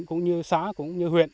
cũng như xã cũng như huyện